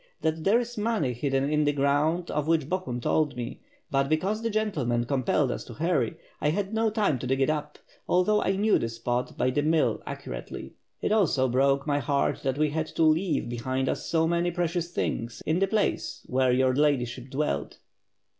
"That there is money hidden in the ground of which Bo hun told me. But because the gentlemen compelled us to hurry, I had no time to dig it up, although I knew the spot by the mill accurately. It also broke my heart that we had to leave behind us so many precious things in the place where your Ladyship dwelt."